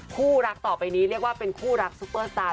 คู่รักต่อไปนี้เรียกว่าเป็นคู่รักซุปเปอร์สตาร์